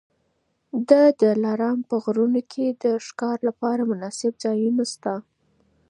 د دلارام په غرونو کي د ښکار لپاره مناسب ځایونه سته.